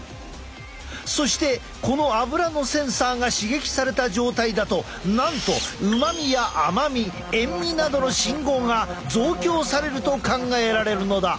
そしてこのアブラのセンサーが刺激された状態だとなんと旨味や甘み塩味などの信号が増強されると考えられるのだ。